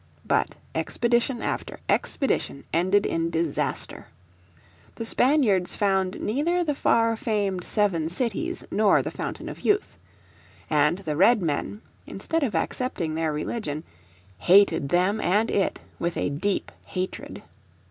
But expedition after expedition ended in disaster. The Spaniards found neither the far famed seven cities nor the fountain of youth. And the Redmen, instead of accepting their religion, hated them and it with a deep hatred.